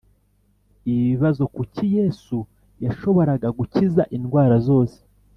Ibibazo Kuki Yesu yashoboraga gukiza indwara zose